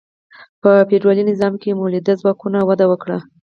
په فیوډالي نظام کې مؤلده ځواکونه وده وکړه.